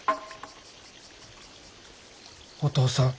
お父さん。